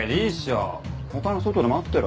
他の外で待ってろよ。